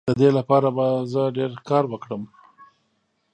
د دې لپاره به زه ډیر کار وکړم.